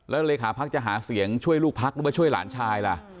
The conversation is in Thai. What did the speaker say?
แล้วเลขาพักจะหาเสียงช่วยลูกพักหรือมาช่วยหลานชายล่ะ